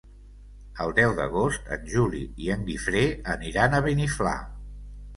El deu d'agost en Juli i en Guifré aniran a Beniflà.